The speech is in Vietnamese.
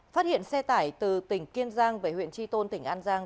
phát hiện xe tải từ tỉnh kiên giang về huyện tri tôn tỉnh an giang